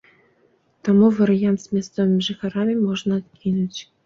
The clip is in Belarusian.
Таму варыянт з мясцовымі жыхарамі можна адкінуць.